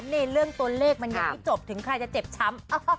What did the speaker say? ในเรื่องตัวเลขมันยังไม่จบถึงใครจะเจ็บช้ำ